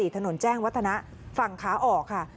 ถนนแจ้งวัฒนะฝั่งขาออกค่ะ